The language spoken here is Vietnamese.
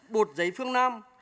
bột giấy phương nam